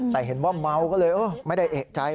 แต่เห็นว่าเมาก็เลยไม่ได้เอกใจ